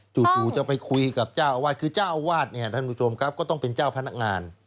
จู่จะไปคุยกับเจ้าอาวาสคือเจ้าอาวาสเนี่ยท่านผู้ชมครับก็ต้องเป็นเจ้าพนักงาน